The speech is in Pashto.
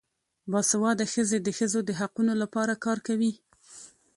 باسواده ښځې د ښځو د حقونو لپاره کار کوي.